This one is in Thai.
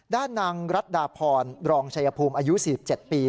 ด้านนางรัดดาพรรองชายภูมิอายุ๔๗ปี